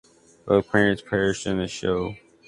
Both parents perished in the Shoah.